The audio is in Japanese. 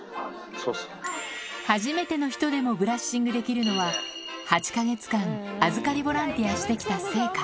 初めての人でもブラッシングできるのは、８か月間預かりボランティアしてきた成果。